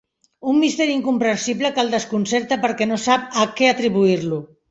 Un misteri incomprensible que el desconcerta perquè no sap a què atribuir-lo.